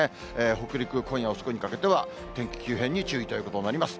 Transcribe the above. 北陸、今夜遅くにかけては天気急変に注意ということになります。